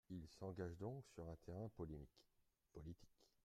Il s’engage donc sur un terrain polémique, politique.